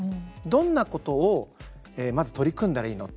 どんなことをまず取り組んだらいいの？